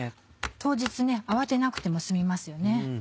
当日慌てなくても済みますよね。